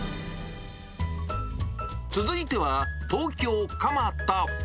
続いては、東京・蒲田。